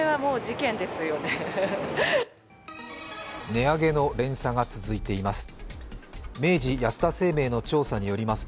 値上げの連鎖が続いています。